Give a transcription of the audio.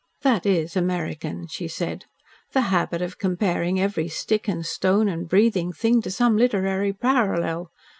"That is American," she said, "the habit of comparing every stick and stone and breathing thing to some literary parallel.